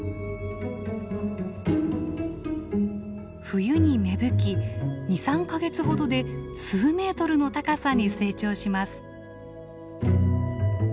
冬に芽吹き２３か月ほどで数メートルの高さに成長します。